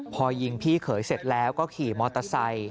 พอยิงพี่เขยเสร็จแล้วก็ขี่มอเตอร์ไซค์